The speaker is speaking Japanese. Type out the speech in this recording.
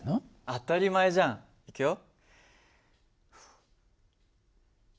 当たり前じゃん。いくよ。